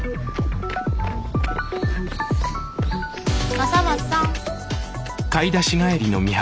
笠松さん。